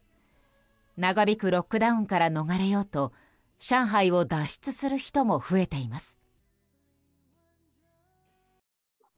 長引くロックダウンから逃れようと上海を脱出する人も増えています。